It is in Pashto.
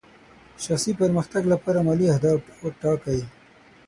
شخصي پرمختګ لپاره مالي اهداف ټاکئ.